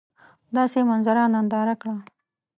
داسي منظره ننداره کړه !